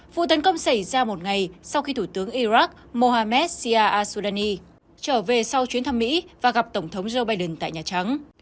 vụ tấn công xảy ra một ngày sau khi thủ tướng iraq mohammed sia asudani trở về sau chuyến thăm mỹ và gặp tổng thống joe biden tại nhà trắng